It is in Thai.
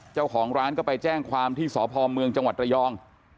เจ้าของร้านก็ไปแจ้งความที่สพเมืองจังหวัดระยอง